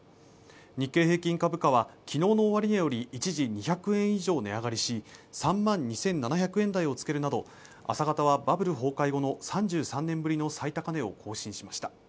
日経平均株価は、昨日の終値より一時２００円以上値上がりし、３万２７００円台を付けるなど、朝方はバブル崩壊後の３３年ぶりの最高値を更新しました。